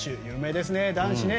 有名ですね、男子。